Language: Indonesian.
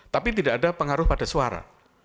tapi tidak ada pengaruh pada suara